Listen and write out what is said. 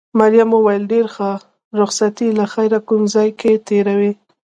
مريم وویل: ډېر ښه، رخصتي له خیره کوم ځای کې تېروې؟